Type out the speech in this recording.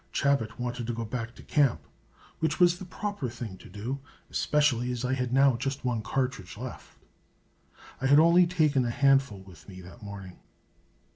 Chabot wanted to go back to camp, which was the proper thing to do, especially as I had now just one cartridge left. I had only taken a handful with me that morning.